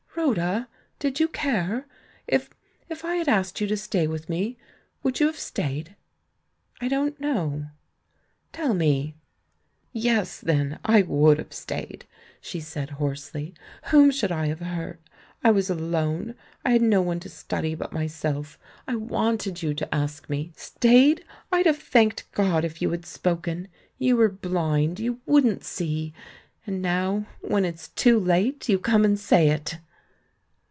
"Rhoda, did you care? If — if I had asked you to stay with me, would you have stayed?" "I don't know." "Tell me." "Yes, then, I would have stayed!" she said hoarsely. "Whom should I have hurt? I was alone, I had no one to study but myself. I want ed you to ask me. Stayed? I'd have thanked God if you had spoken! You were bhnd, you wouldn't see. And now, when it's too late, you come and say it!"